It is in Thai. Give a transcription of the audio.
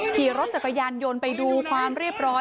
ขี่รถจักรยานยนต์ไปดูความเรียบร้อย